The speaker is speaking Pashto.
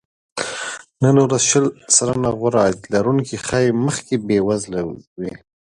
نن ورځ شل سلنه غوره عاید لرونکي ښايي مخکې بې وزله وي